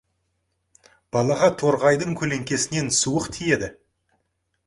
Балаға торғайдың көлеңкесінен суық тиеді.